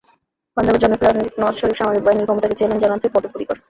পাঞ্জাবের জনপ্রিয় রাজনীতিক নওয়াজ শরিফ সামরিক বাহিনীর ক্ষমতাকে চ্যালেঞ্জ জানাতে বদ্ধপরিকর।